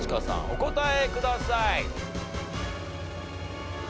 お答えください。